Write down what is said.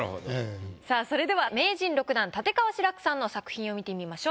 さあそれでは名人６段立川志らくさんの作品を見てみましょう。